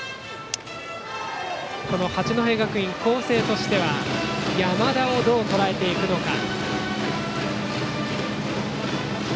八戸学院光星としては山田をどうとらえていくのか。